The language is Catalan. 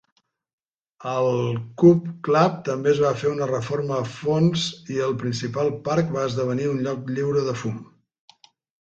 Al Cub Club també es va fer una reforma a fons i el Principal Park va esdevenir un lloc lliure de fum.